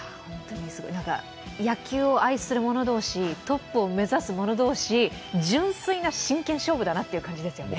野球を愛する者同士、トップを目指す者同士、純粋な真剣勝負だなという感じですよね。